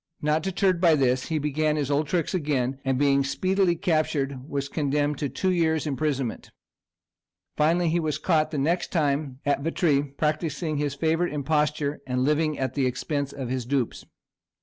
Not deterred by this, he began his old tricks again, and being speedily captured was condemned to two years' imprisonment. Finally, he was caught the next time at Vitry, practising his favourite imposture and living at the expense of his dupes.